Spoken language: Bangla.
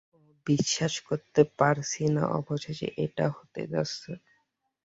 ওহ, বিশ্বাস করতে পারছি না অবশেষে এটা হতে যাচ্ছে।